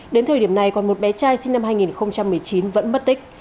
đến thời điểm này còn một bé trai sinh năm hai nghìn một mươi chín vẫn mất tích